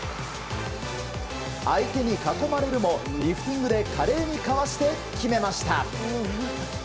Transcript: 相手に囲まれるもリフティングで華麗にかわして決めました。